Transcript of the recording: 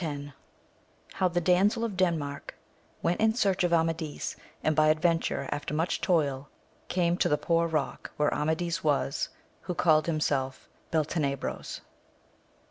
X.— How the Damsel of Denmark went in search of Amadis, and by adyenture after much toil came to the Poor Bock, where Amadis was, who called himself Beltenebros.